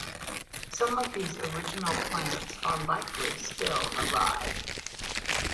Some of these original plants are likely still alive.